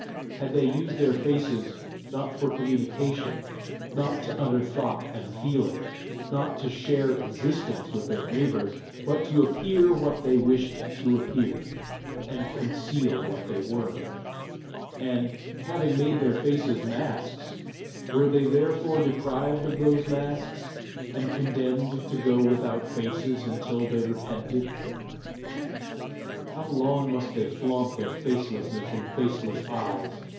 Had they used their faces, not for communication, not to utter thought and feeling, not to share existence with their neighbours, but to appear what they wished to appear, and conceal what they were? and, having made their faces masks, were they therefore deprived of those masks, and condemned to go without faces until they repented? "How long must they flaunt their facelessness in faceless eyes?"